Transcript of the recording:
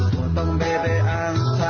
potong bebek angsa